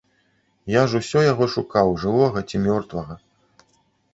Я ж усё яго шукаў, жывога ці мёртвага.